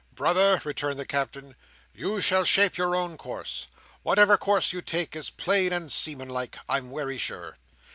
"Brother," returned the Captain, "you shall shape your own course. Wotever course you take, is plain and seamanlike, I'm wery sure."